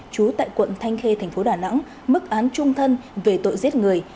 trú tại quận thanh khê tp đà nẵng mức án trung thân về tội giết người